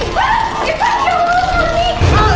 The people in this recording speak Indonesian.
itu aja luar lagi